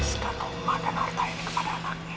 mereka akan menghariskan rumah dan harta ini kepada anaknya